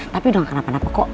tapi udah nggak kenapa napa kok